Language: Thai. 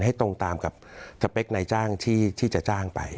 ให้ตรงตามกับสเปคในจ้างที่จะจ้างไป